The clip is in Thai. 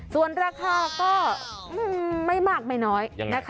ส่วนราคาก็ไม่มากไม่น้อยนะคะ